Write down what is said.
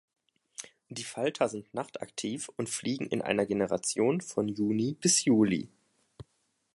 Die Falter sind nachtaktiv und fliegen in einer Generation von Juni bis Juli.